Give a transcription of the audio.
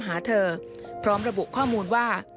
หาเธอพร้อมระบุข้อมูลว่า